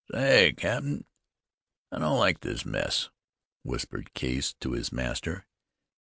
"Say, cap'n, I don't like this mess," whispered Case to his master.